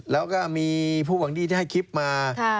แล้วก็มีผู้หวังดีที่ให้คลิปมา